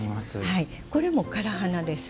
これも唐花です。